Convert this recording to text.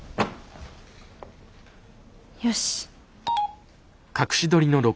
よし。